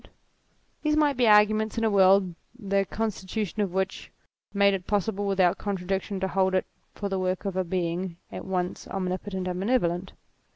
IMMORTALITY 209 These might be arguments in a world the constitu tion of which made it possible without contradiction to hold it for the work of a Being at once omnipotent and benevolent.